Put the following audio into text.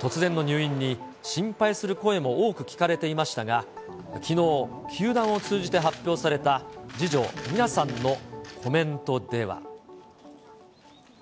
突然の入院に、心配する声も多く聞かれていましたが、きのう、球団を通じて発表されたい次女、三奈さんのコメントでは。